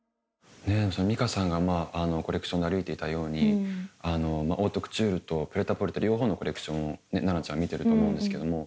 美佳さんがコレクションで歩いていたようにオートクチュールとプレタポルテ両方のコレクション菜奈ちゃん見てると思うんですけども。